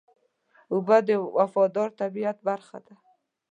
اوبه د وفادار طبیعت برخه ده.